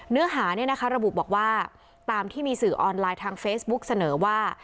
เนื้อหาระบุบอกว่าตามที่มีสื่อออนไลน์ทางเฟซบุ๊กเสนอว่า